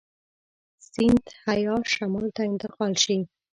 سیندهیا شمال ته انتقال شي.